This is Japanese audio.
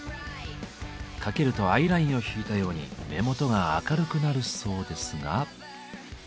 かけるとアイラインを引いたように目元が明るくなるそうですが。